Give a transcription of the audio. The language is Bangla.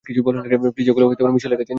প্লিজ ওগুলো মিশেলের কাছে নিয়ে যান।